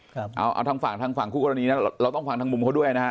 เอาเอาทางฝั่งทางฝั่งคู่กรณีนะเราต้องฟังทางมุมเขาด้วยนะฮะ